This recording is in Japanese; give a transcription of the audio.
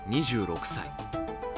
２６歳。